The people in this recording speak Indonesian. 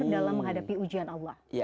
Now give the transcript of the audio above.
dalam menghadapi ujian allah